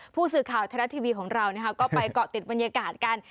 ผู้สื่อข่าวไทยรัฐทีวีของเราก็ไปเกาะติดบรรยากาศกัน